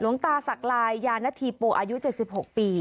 หลวงตาศักลายยานธีโปอายุ๗๖ปี